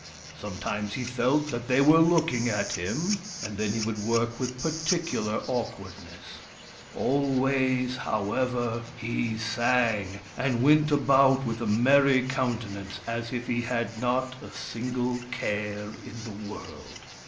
Sometimes he felt that they were looking at him, and then he would work with par ticular awkwardness. Always, however, he sang, S.A.B. Q 242 WURIP. THE FIRE BRINGER and went about with a merry countenance, as if he had not a single care in the world.